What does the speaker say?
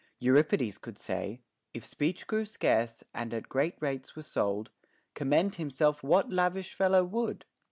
Euripides could say, If speech grew scarce, and at great rates were sold, Commend himself what lavish fellow would